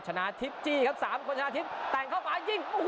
ชนะทิพย์จี้ครับ๓คนชนะทิพย์แต่งเข้าไปยิง